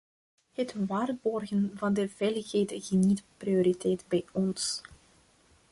Het waarborgen van de veiligheid geniet prioriteit bij ons.